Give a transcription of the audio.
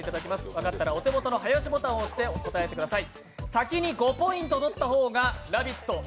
分かったらお手元の早押しボタンを押して答えてください。